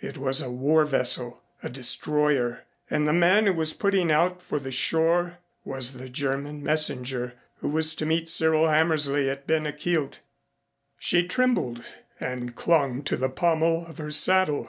It was a war vessel, a destroyer, and the man who was putting out for the shore was the German messenger who was to meet Cyril Hammersley at Ben a Chielt. She trembled and clung to the pommel of her saddle.